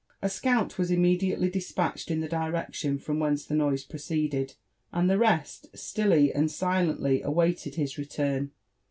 A scout was immediately despatched in the direction from whence the noise proceeded, and the rest stilly and silently awaited his return.